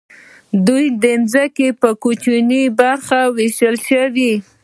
دوی ځمکې په کوچنیو برخو وویشلې.